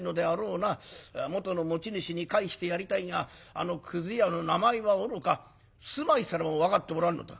元の持ち主に返してやりたいがあのくず屋の名前はおろか住まいすらも分かっておらんのだ。